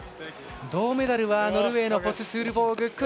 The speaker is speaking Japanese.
銅メダルはノルウェーのフォススールボーグ。